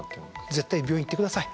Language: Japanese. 絶対病院行って下さい。